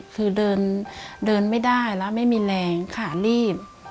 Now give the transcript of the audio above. คือเดินไม่ได้แล้วไม่มีแรงขาลีด